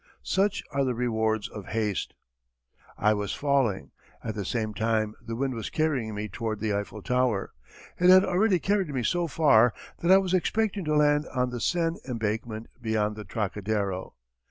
Such are the rewards of haste. I was falling. At the same time the wind was carrying me toward the Eiffel Tower. It had already carried me so far that I was expecting to land on the Seine embankment beyond the Trocadero.